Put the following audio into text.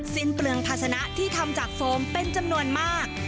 เปลืองภาษณะที่ทำจากโฟมเป็นจำนวนมาก